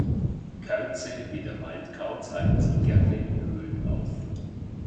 Käuze wie der Waldkauz halten sich gerne in Höhlen auf.